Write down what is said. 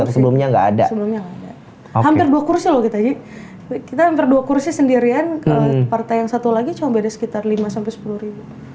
sebelumnya nggak ada hampir dua kursi kita kita hampir dua kursi sendirian partai yang satu lagi